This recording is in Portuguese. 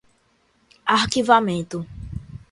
arquivamento